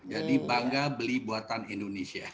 jadi bangga beli buatan indonesia